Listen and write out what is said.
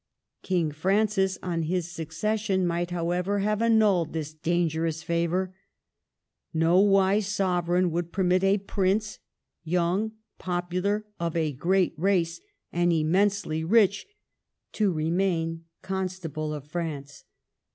King Francis, on his succession, might, however, have annulled this dangerous favor. No wise sov ereign would permit a prince, young, popular, of a great race, and immensely rich, to remain Constable of France.